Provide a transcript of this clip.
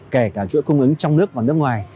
kể cả chuỗi cung ứng trong nước và nước ngoài